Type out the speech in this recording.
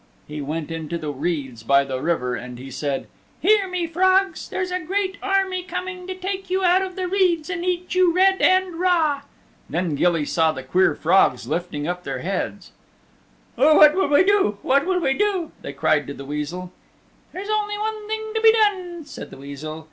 He went into the reeds by the river and he said, "Hear me, frogs! There's a great army coming to take you out of the reeds and eat you red and raw." Then Gilly saw the queer frogs lifting up their heads, "Oh, what will we do, what will we do?" they cried to the Weasel. "There's only one thing to be done," said the Weasel.